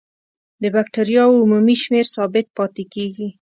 د بکټریاوو عمومي شمېر ثابت پاتې کیږي.